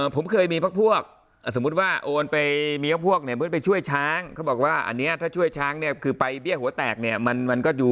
ผมเคยมีพักพวกสมมุติว่าโอนไปมีพวกเนี่ยเหมือนไปช่วยช้างเขาบอกว่าอันนี้ถ้าช่วยช้างเนี่ยคือไปเบี้ยหัวแตกเนี่ยมันก็ดู